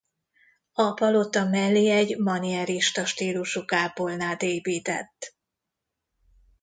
A palota mellé egy manierista stílusú kápolnát épített.